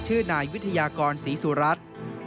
ชื่อนายวิทยากรศรีสุรัตน์